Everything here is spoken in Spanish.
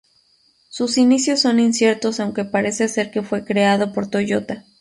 Sus inicios son inciertos aunque parece ser que fue creado por Toyota.